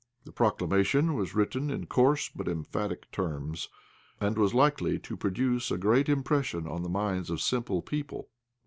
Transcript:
The proclamation was written in coarse but emphatic terms, and was likely to produce a great impression on the minds of simple people.